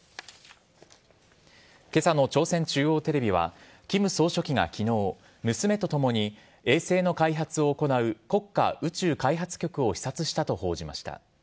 今朝の朝鮮中央テレビは金総書記が昨日、娘とともに衛星の開発を行う国家宇宙開発局を視察したと報じました。